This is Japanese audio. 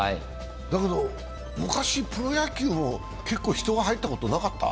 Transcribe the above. だけど昔、プロ野球も結構、人が入ったことなかった？